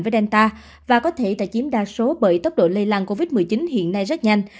với delta và có thể đã chiếm đa số bởi tốc độ lây lan covid một mươi chín hiện nay rất nhanh